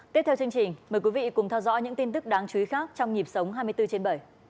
tiếp theo chương trình mời quý vị cùng theo dõi những tin tức đáng chú ý khác trong nhịp sống hai mươi bốn trên bảy